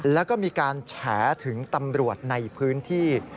แล้วก็มีการแฉถึงตำรวจในพื้นที่